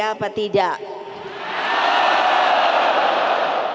kamu masih sayang atau tidak sama ibu